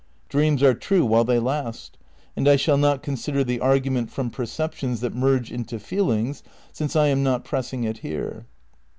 Dreams are true while they last. And I shall not consider the argument from perceptions that merge into feelings, since I am not pressing it here.